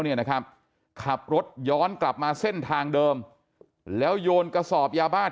เนี่ยนะครับขับรถย้อนกลับมาเส้นทางเดิมแล้วโยนกระสอบยาบ้าน